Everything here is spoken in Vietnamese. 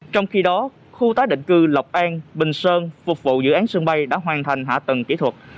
trong khi đó khu tái định cư lộc an bình sơn phục vụ dự án sân bay đã hoàn thành hạ tầng kỹ thuật